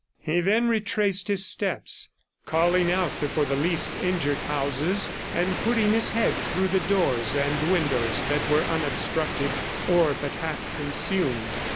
He then retraced his steps, calling out before the least injured houses, and putting his head through the doors and windows that were unobstructed or but half consumed.